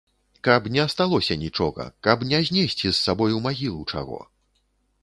Каб не асталося нічога, каб не знесці з сабой у магілу чаго.